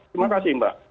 terima kasih mbak